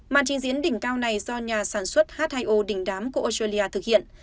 màn trình diễn đỉnh cao này do nhà sản xuất h hai o đỉnh đám của australia thực hiện